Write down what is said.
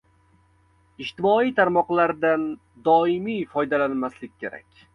Ijtimoiy tarmoqlardan doimiy foydalanmaslik kerak.